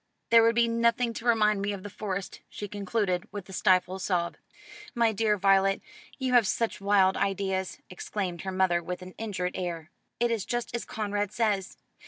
There would be nothing to remind me of the Forest," she concluded with a stifled sob. "My dear Violet, you have such wild ideas," exclaimed her mother with an injured air. "It is just as Conrad says.